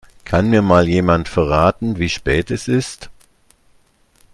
Kann mir mal jemand verraten, wie spät es ist?